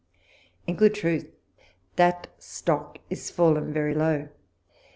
" In good truth, that stock is fallen very low.